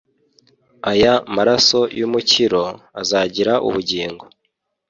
aya maraso y'umukiro, azagira ubugingo